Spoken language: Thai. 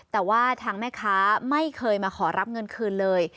แต่ว่าทางแม่ค้าไม่เคยมาขอรับเงินคืนเลย